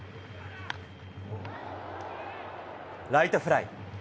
ライトフライ。